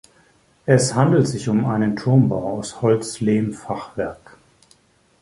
Es handelte sich um einen Turmbau aus Holz-Lehm-Fachwerk.